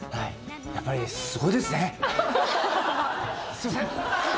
すいません！